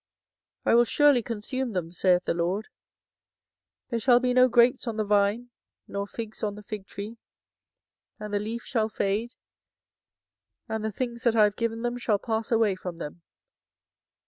24:008:013 I will surely consume them, saith the LORD: there shall be no grapes on the vine, nor figs on the fig tree, and the leaf shall fade; and the things that I have given them shall pass away from them.